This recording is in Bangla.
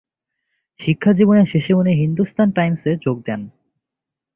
শিক্ষাজীবনের শেষে উনি হিন্দুস্তান টাইমসে এ যোগ দেন।